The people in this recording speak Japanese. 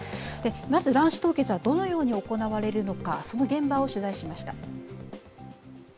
まず卵子凍結はどのように行われるのか、その現場を取材しました。